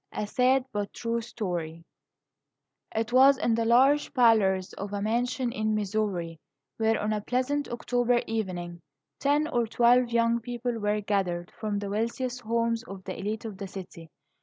A SAD BUT TRUE STORY It was in the large parlors of a mansion in Missouri, where, on a pleasant October evening, ten or twelve young people were gathered from the wealthiest homes of the elite of the city.